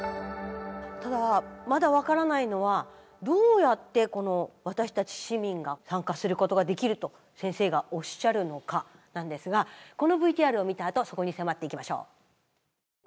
ただまだ分からないのはどうやってこの私たち市民が参加することができると先生がおっしゃるのかなんですがこのＶＴＲを見たあとそこに迫っていきましょう。